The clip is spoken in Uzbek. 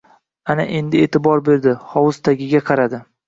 Ana endi e’tibor berdi. Hovuz tagiga qaradi.